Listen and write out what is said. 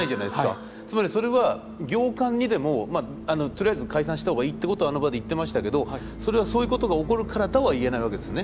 つまりそれは行間にでもとりあえず解散した方がいいってことはあの場で言ってましたけどそれは「そういうことが起こるからだ」は言えないわけですね。